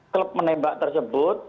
klub menembak tersebut